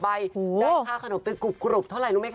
ใบได้ค่าขนมเป็นกรุบเท่าไรรู้ไหมค